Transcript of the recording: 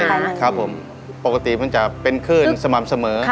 อะไรนะครับผมปกติมันจะเป็นคลื่นสม่ำเสมอ